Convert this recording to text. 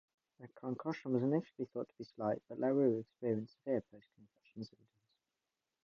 The concussion was initially thought to be slight, but LaRue experienced severe post-concussion symptoms.